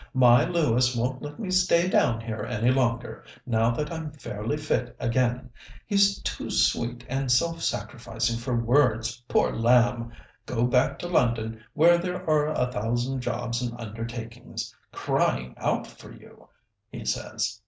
"My Lewis won't let me stay down here any longer, now that I'm fairly fit again. He's too sweet and self sacrificing for words, poor lamb! 'Go back to London where there are a thousand jobs and undertakings crying out for you,' he says.